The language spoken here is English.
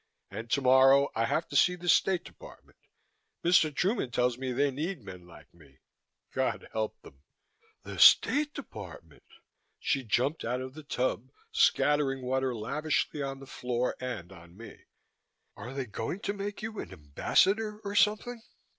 And tomorrow I have to see the State Department. Mr. Truman tells me they need men like me God help them!" "The State Department!" She jumped out of the tub, scattering water lavishly on the floor and on me. "Are they going to make you an Ambassador or something?"